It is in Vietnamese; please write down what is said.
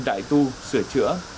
đại tu sửa chữa